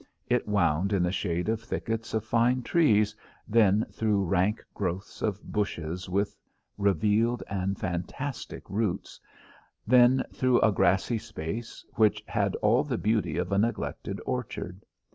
It wound in the shade of thickets of fine trees, then through rank growths of bushes with revealed and fantastic roots, then through a grassy space which had all the beauty of a neglected orchard.